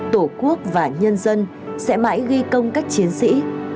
tổ quốc và nhân dân sẽ mãi ghi công các chiến sĩ